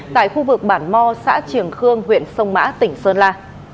tại khu vực bản mò xã triềng khương huyện sông mã tỉnh sơn la